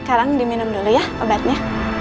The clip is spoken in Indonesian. sekarang diminum dulu ya obatnya